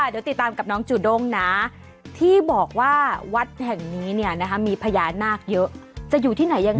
เดี๋ยวติดตามกับน้องจูด้งนะที่บอกว่าวัดแห่งนี้เนี่ยนะคะมีพญานาคเยอะจะอยู่ที่ไหนยังไง